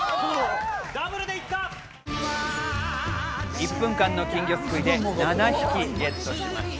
１分間の金魚すくいで７匹ゲットしました。